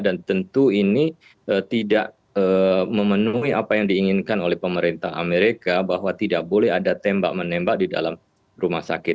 dan tentu ini tidak memenuhi apa yang diinginkan oleh pemerintah amerika bahwa tidak boleh ada tembak menembak di dalam rumah sakit